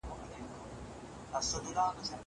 هغه څوک چي کتابتون ته ځي پوهه اخلي!